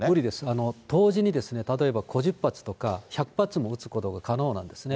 同時にですね、例えば、５０発とか１００発も撃つことが可能なんですね。